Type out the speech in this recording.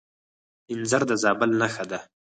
انځر د زابل نښه ده.